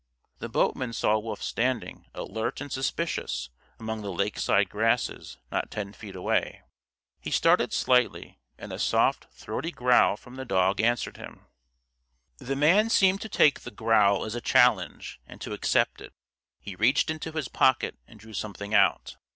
The boatman saw Wolf standing, alert and suspicious, among the lakeside grasses, not ten feet away. He started slightly, and a soft, throaty growl from the dog answered him. The man seemed to take the growl as a challenge, and to accept it. He reached into his pocket and drew something out.